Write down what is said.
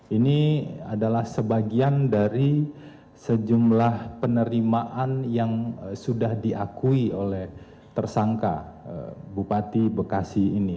ini adalah sebagian dari sejumlah penerimaan yang sudah diakui oleh tersangka bupati bekasi ini